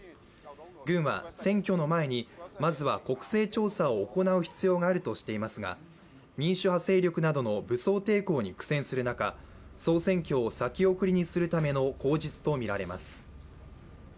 軍は選挙の前にまずは国勢調査を行う必要があるとしていますが民主派勢力などの武装抵抗に苦戦する中、総選挙を先送りにするための口実とみられます。